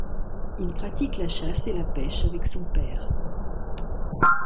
Il pratique la chasse et la pêche avec son père.